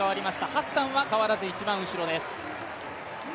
ハッサンは変わらず一番後ろです。